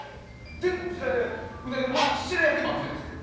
でも、ウナギの白焼きもあるじゃないですか。